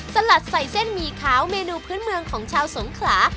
สลัดใส่เส้นหมี่ขาวเมนูพื้นเมืองของชาวสงขลา